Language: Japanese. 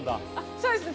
そうですね